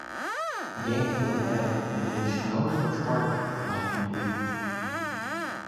Games were held in which none but Spartans might compete.